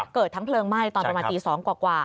เกิดทั้งเพลิงไหม้ตอนประมาณตี๒กว่า